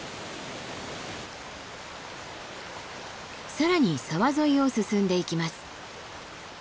更に沢沿いを進んでいきます。